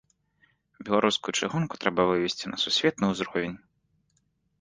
Беларускую чыгунку трэба вывесці на сусветны ўзровень.